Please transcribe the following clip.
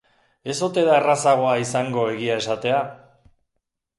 Ez ote da errazagoa izango egia esatea?